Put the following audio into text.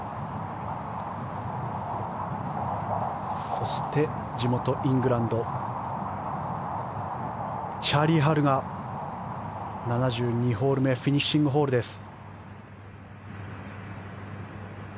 そして、地元イングランドチャーリー・ハルが７２ホール目フィニッシングホールです。